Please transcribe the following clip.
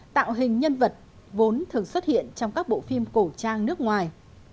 tạo hình nhân vật vốn thường xuất hiện trong các bộ phim cổ trang nước ngoài